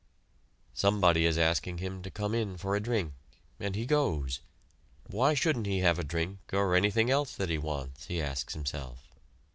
Somebody is asking him to come in for a drink, and he goes! Why shouldn't he have a drink or anything else that he wants, he asks himself.